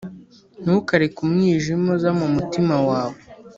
ntukareke umwijima uza ku mutima wawe